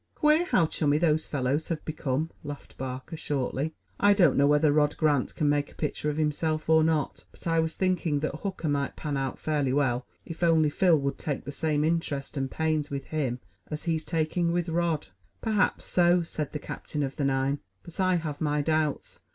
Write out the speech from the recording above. "Queer how chummy those fellows have become," laughed Barker shortly. "I don't know whether Rod Grant can make a pitcher of himself or not, but I was thinking that Hooker might pan out fairly well if only Phil would take the same interest and pains with him as he's taking with Rod." "Perhaps so," said the captain of the nine; "but I have my doubts.